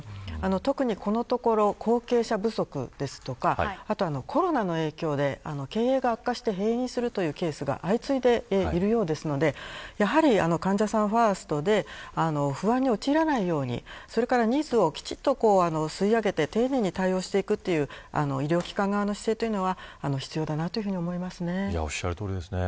特にこのところ後継者不足ですとかあとはコロナの影響で経営が悪化して閉院するというケースが相次いでいるようですのでやはり、患者さんファーストで不安に陥らないようにそれから、ニーズをきちんと吸い上げて、丁寧に対応していくという医療機関側の姿勢というのはおっしゃるとおりですね。